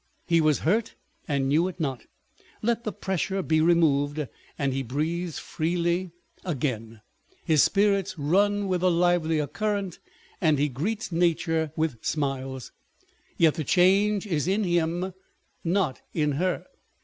" He was hurt, and knew it not." Let the pressure be removed, and he breathes freely again ; his spirits run with a livelier current, and he greets nature with smiles ; yet the change is in him, not in her.